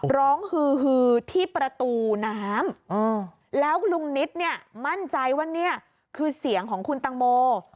ฮือที่ประตูน้ำแล้วลุงนิดเนี่ยมั่นใจว่านี่คือเสียงของคุณตังโม